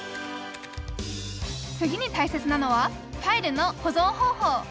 次に大切なのはファイルの保存方法。